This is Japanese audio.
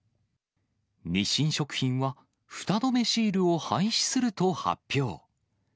日清食品は、フタ止めシールを廃止すると発表。